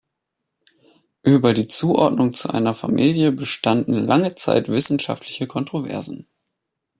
Über die Zuordnung zu einer Familie bestanden lange Zeit wissenschaftliche Kontroversen.